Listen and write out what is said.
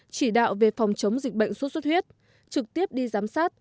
chỉ đạo về phòng chống dịch bệnh sốt xuất huyết trực tiếp đi giám sát